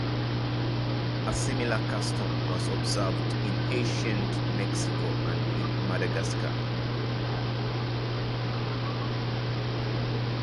A similar custom was observed in ancient Mexico and in Madagascar.